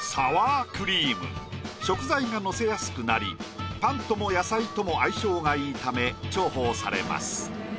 食材がのせやすくなりパンとも野菜とも相性が良いため重宝されます。